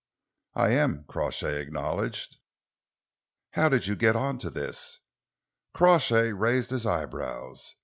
"I am," Crawshay acknowledged. "How did you get on to this?" Crawshay raised his eyebrows.